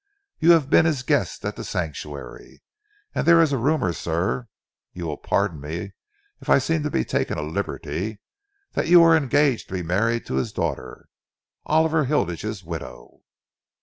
You have been his guest at The Sanctuary, and there is a rumour, sir you will pardon me if I seem to be taking a liberty that you are engaged to be married to his daughter, Oliver Hilditch's widow."